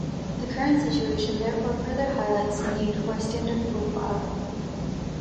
The current situation therefore further highlights the need for a standard profile.